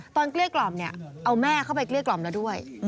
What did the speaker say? เกลี้ยกล่อมเนี่ยเอาแม่เข้าไปเกลี้ยกล่อมแล้วด้วย